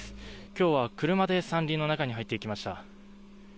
今日は、車で山林の中に入っていきました。